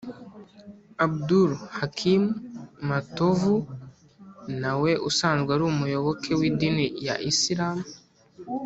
Abdul Hakiim Matovu na we usanzwe ari umuyoboke w’idini ya Isilamu